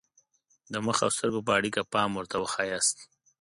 د مخ او سترګو په اړیکه پام ورته وښایاست.